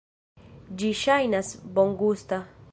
Ĝi ŝajnas bongusta.